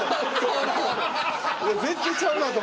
絶対ちゃうなと思って。